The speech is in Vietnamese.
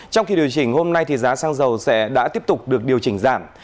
trong khi điều chỉnh hôm nay giá xăng dầu sẽ đã tiếp tục được điều chỉnh giảm